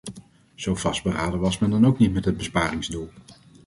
Zo vastberaden was men dan ook niet met het besparingsdoel.